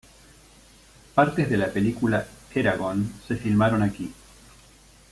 Partes de la película "Eragon" se filmaron aquí.